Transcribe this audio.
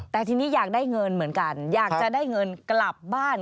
แต่ทีนี้อยากได้เงินเหมือนกันอยากจะได้เงินกลับบ้าน